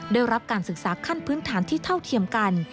ได้รับการศึกษาขั้นพื้นฐานที่เท่าเทียมกัน